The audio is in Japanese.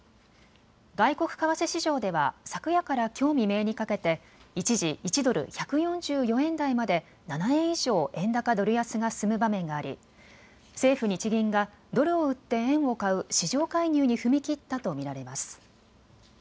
外国為替市場では昨夜からきょう未明にかけて一時１ドル１４４円台まで７円以上円高ドル安が進む場面があり、政府・日銀がドルを売って円を買う市場介入に踏み切ったと見られます。